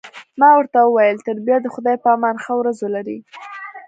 ما ورته وویل: تر بیا د خدای په امان، ښه ورځ ولرئ.